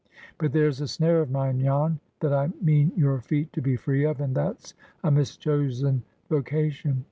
But there's a snare of mine, Jan, that I mean your feet to be free of, and that's a mischosen vocation.